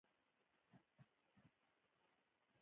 پامیر د افغانستان د اقتصادي منابعو ارزښت ډېر زیاتوي.